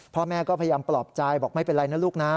พ่อแม่ก็พยายามปลอบใจบอกไม่เป็นไรนะลูกนะ